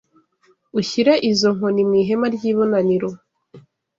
ushyire izo nkoni mu ihema ry’ibonaniro